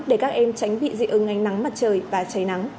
để các em tránh bị dị ứng ánh nắng mặt trời và cháy nắng